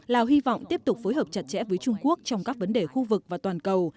lào hy vọng tiếp tục phối hợp chặt chẽ với trung quốc trong các vấn đề khu vực và toàn cầu